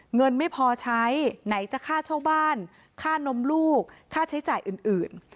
เงินไม่พอใช้ไหนจะค่าเช่าบ้านค่านมลูกค่าใช้จ่ายอื่น